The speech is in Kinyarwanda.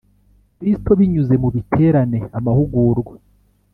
Kristo binyuze mu biterane amahugurwa